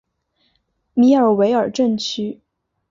米尔维尔镇区。